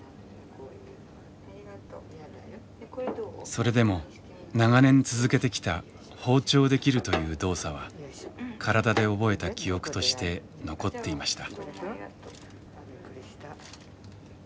それでも長年続けてきた包丁で切るという動作は体で覚えた記憶として残っていました。